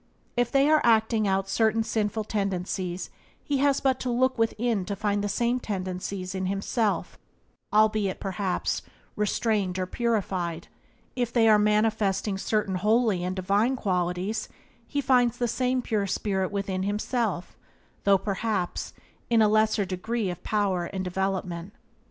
If they are acting out certain sinful tendencies he has but to look within to find the same tendencies in himself, albeit, perhaps, restrained or purified; if they are manifesting certain holy and divine qualities he finds the same pure spirit within himself, though, perhaps, in a lesser degree of power and development.